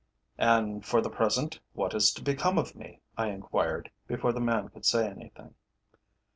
"And for the present what is to become of me?" I enquired, before the man could say anything.